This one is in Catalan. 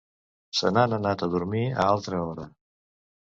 Se n'han anat a dormir a altra hora.